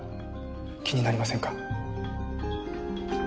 気になりませんか？